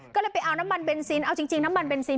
ก็เลยไปเอาน้ำมันเบนซินเอาจริงน้ำมันเบนซิน